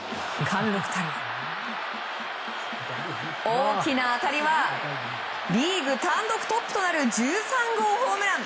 大きな当たりはリーグ単独トップとなる１３号ホームラン。